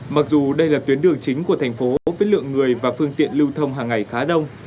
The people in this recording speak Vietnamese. mặc dù đây là tuyến đường chính của thành phố với lượng người và phương tiện lưu thông hàng ngày khá đông